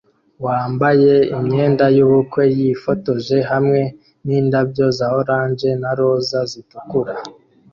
wambaye imyenda yubukwe yifotoje hamwe nindabyo za orange na roza zitukura